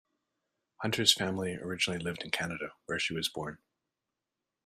Hunter's family originally lived in Canada where she was born.